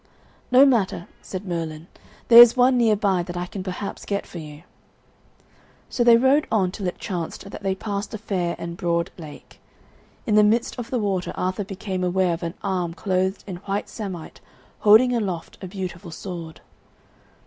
"No matter," said Merlin; "there is one near by that I can perhaps get for you." So they rode on till it chanced that they passed a fair and broad lake. In the midst of the water Arthur became aware of an arm clothed in white samite holding aloft a beautiful sword.